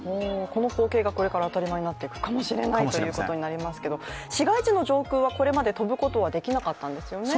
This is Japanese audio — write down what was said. この光景がこれから当たり前になっていくかもしれないということになりますけど市街地の上空はこれまで飛ぶことはできなかったんですよね？